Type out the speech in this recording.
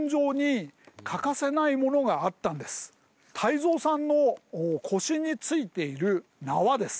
泰造さんの腰についている縄です。